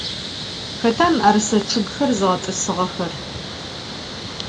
Xeta mı'erıse ççıgxer zığet'ısıştığer?